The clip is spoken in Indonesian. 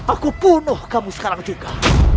aku bunuh kamu sekarang juga